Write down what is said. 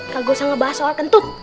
kalau gak usah ngebahas soal kentut